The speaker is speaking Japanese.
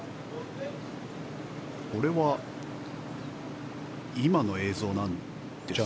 これは今の映像なんでしょうか。